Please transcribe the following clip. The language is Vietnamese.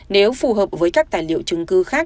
nếu phù hợp với các tài liệu chứng cứ khác